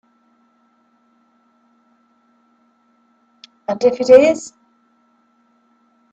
And if it is?